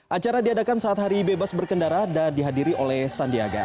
acara diadakan saat hari bebas berkendara dan dihadiri oleh sandiaga